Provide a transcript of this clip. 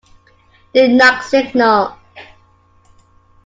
Do not signal.